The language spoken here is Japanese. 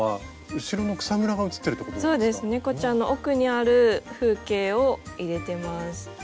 猫ちゃんの奥にある風景を入れてます。